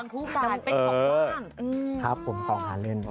เป็นของเรื่องใช่ครับของชี้มัน